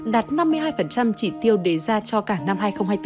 đạt năm mươi hai chỉ tiêu đề ra cho cả năm hai nghìn hai mươi bốn